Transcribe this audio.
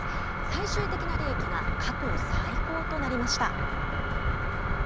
最終的な利益が過去最高となりました。